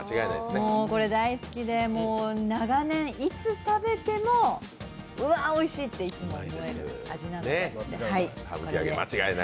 もうこれ大好きで、長年いつ食べても、うわあ、おいしいって言える味なので。